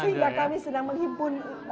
sehingga kami sedang menghimpun